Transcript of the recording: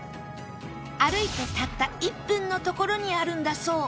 歩いてたった１分のところにあるんだそう